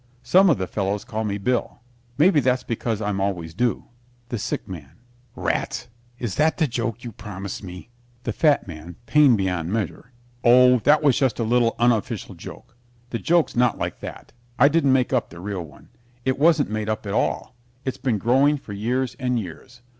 Some of the fellows call me Bill. Maybe that's because I'm always due. THE SICK MAN Rats! Is that the joke you promised me? THE FAT MAN (pained beyond measure) Oh, that was just a little unofficial joke. The joke's not like that. I didn't make up the real one. It wasn't made up at all. It's been growing for years and years.